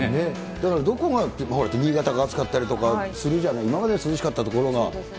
だからどこがって、新潟が暑かったりとかするじゃない、今まで涼しかった所が。